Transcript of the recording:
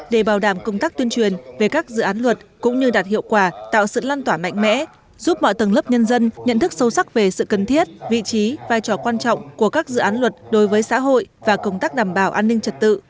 để bảo đảm công tác tuyên truyền về các dự án luật cũng như đạt hiệu quả tạo sự lan tỏa mạnh mẽ giúp mọi tầng lớp nhân dân nhận thức sâu sắc về sự cần thiết vị trí vai trò quan trọng của các dự án luật đối với xã hội và công tác đảm bảo an ninh trật tự